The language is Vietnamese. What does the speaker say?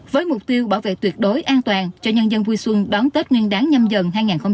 với mục tiêu bảo vệ tuyệt đối an toàn cho nhân dân vui xuân đón tết nguyên đáng nhâm dần hai nghìn hai mươi bốn